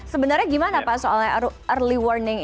sebenarnya gimana pak soalnya early warning